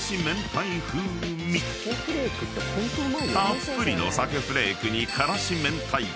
［たっぷりの鮭フレークに辛子明太子］